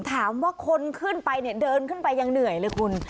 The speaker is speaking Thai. ถามว่าคนขึ้นไปเนี่ยเดินขึ้นไปยังเหนื่อยเลยคุณ